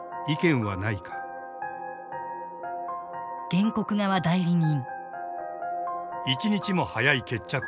原告側代理人。